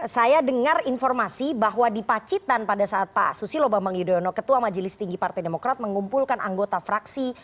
saya dengar informasi bahwa di pacitan pada saat pak susilo bambang yudhoyono ketua majelis tinggi partai demokrat mengumpulkan anggota fraksi